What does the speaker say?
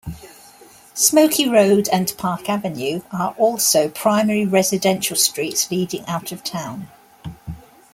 Smokey Road and Park Avenue are also primary residential streets leading out of town.